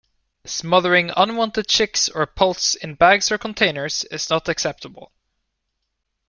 Smothering unwanted chicks or poults in bags or containers is not acceptable.